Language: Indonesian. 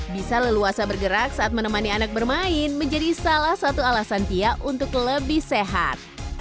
bisa leluasa bergerak saat menemani anak bermain menjadi salah satu alasan tia untuk lebih sehat